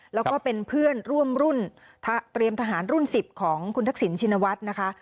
แล้วก็เป็นเพื่อนร่วมรุ่นเตรียมทหารรุ่น๑๐ของคุณทักษิณชินวัฒน์นะคะ